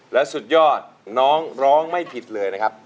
และสุดยอดน้องร้องไม่ผิดเลยนะครับ